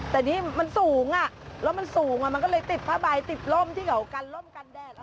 แต่นี่มันสูงแล้วมันสูงมันก็เลยติดผ้าใบติดร่มที่เขากันล่มกันแดด